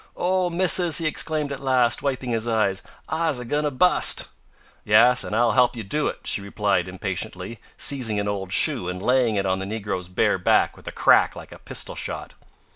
"Oh! missis," he exclaimed at last, wiping his eyes, "I's a goin' to bust." "Yes, an' I'll help you to do it," she replied impatiently, seizing an old shoe, and laying it on the negro's bare back with a crack like a pistol shot.